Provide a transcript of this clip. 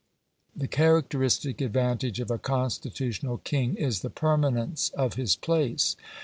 The characteristic advantage of a constitutional king is the permanence of his place.